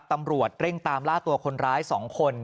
ตำรวจเร่งตามล่าตัวคนร้าย๒คน